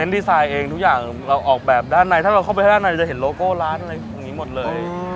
ดีไซน์เองทุกอย่างเราออกแบบด้านในถ้าเราเข้าไปด้านในจะเห็นโลโก้ร้านอะไรอย่างนี้หมดเลย